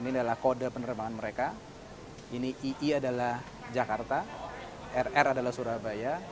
ini adalah kode penerbangan mereka ini ii adalah jakarta rr adalah surabaya